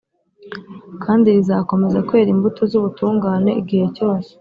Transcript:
kandi rizakomeza kwera imbuto z’ubutungane igihe cyose